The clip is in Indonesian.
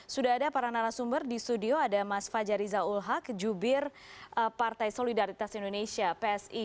sudah ada para narasumber di studio ada mas fajar riza ulhak jubir partai solidaritas indonesia psi